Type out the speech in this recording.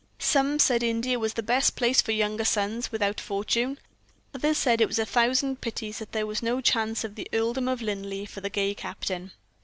Some said India was the best place for younger sons without fortune. Others said it was a thousand pities that there was no chance of the earldom of Linleigh for the gay captain.